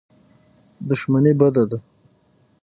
دښمني بده ده.